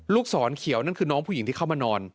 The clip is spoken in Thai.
ศรเขียวนั่นคือน้องผู้หญิงที่เข้ามานอน